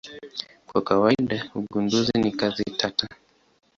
Kwa kawaida ugunduzi ni kazi tata.